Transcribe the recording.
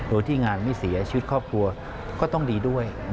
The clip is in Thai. โดยที่งานไม่เสียชีวิตครอบครัวก็ต้องดีด้วย